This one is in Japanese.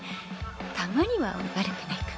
たまには悪くないか。